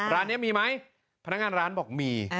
ร้านนี้มีไหมพนักงานร้านบอกมี